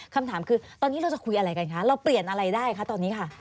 คำถามคือตอนนี้เราจะคุยอะไรกันคะเราเปลี่ยนอะไรได้คะตอนนี้ค่ะ